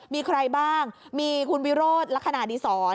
มีใครบ้างมีคุณวิโรธลักษณะดีศร